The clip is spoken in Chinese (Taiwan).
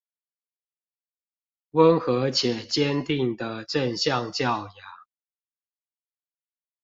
溫和且堅定的正向教養